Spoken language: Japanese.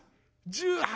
「１８。